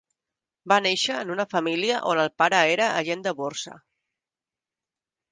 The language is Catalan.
Va néixer en una família on el pare era agent de borsa.